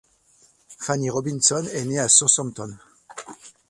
Fanny Robinson est née à Southampton.